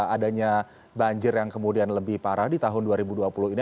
adanya banjir yang kemudian lebih parah di tahun dua ribu dua puluh ini